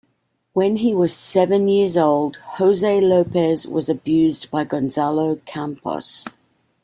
When he was seven years old, Jose Lopez was abused by Gonzalo Campos.